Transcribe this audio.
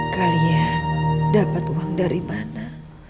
kalian dapat uang dari mana